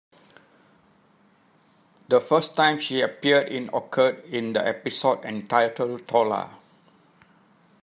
The first time she appeared in occurred in the episode entitled "Tola".